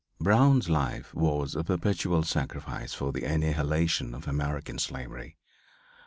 Brown's life was a perpetual sacrifice for the annihilation of American slavery.